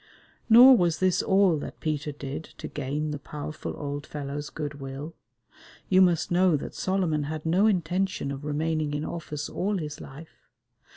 Nor was this all that Peter did to gain the powerful old fellow's good will. You must know that Solomon had no intention of remaining in office all his life.